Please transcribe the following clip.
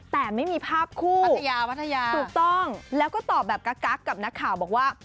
แต่ไม่มีภาพคู่ถูกต้องแล้วก็ตอบแบบกั๊กกับนักข่าวบอกว่า